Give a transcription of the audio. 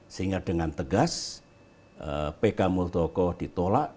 sehingga dengan tegas pk muldoko ditolak